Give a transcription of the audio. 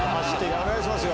「お願いしますよ」